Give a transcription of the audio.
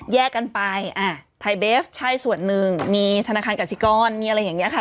แยกกันไปไทยเบฟใช่ส่วนหนึ่งมีธนาคารกสิกรมีอะไรอย่างนี้ค่ะ